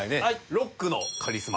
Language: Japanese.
「ロックのカリスマ」。